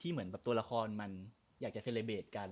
ที่เหมือนตัวราคนมันอยากจะบรรยายกัน